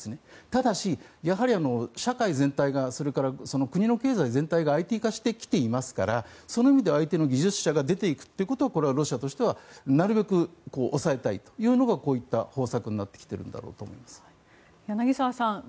ただし、やはり社会全体がそれから国の経済全体がＩＴ化してきていますからそういう意味でＩＴの技術者が出て行くことはロシアとしてはなるべく抑えたいのでこういった方策になってきているんだろうと思います。